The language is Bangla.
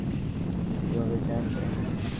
তুমি কীভাবে জানলে?